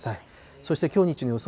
そしてきょう日中の予想